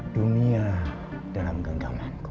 dunia dalam genggamanku